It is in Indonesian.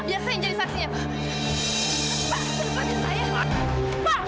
biar saya yang jadi saksinya pak